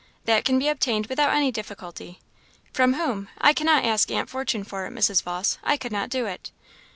"That can be obtained without any difficulty." "From whom? I cannot ask Aunt Fortune for it, Mrs. Vawse; I could not do it."